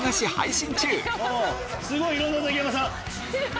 いろんなザキヤマさん！